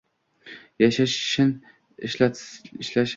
Yashash-shin Ishta-lin!